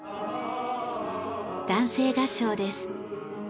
男声合唱です。